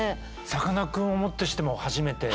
さかなクンをもってしても初めて。